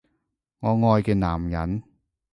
我愛嘅男人